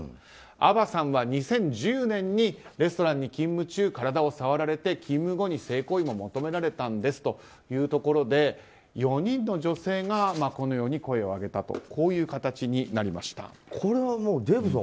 アヴァさんは２０１０年にレストランに勤務中体を触られて勤務後に性行為も求められたんですということで４人の女性が声を上げたというこれはもうデーブさん